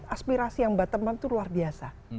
aspirasi yang bottom ump itu luar biasa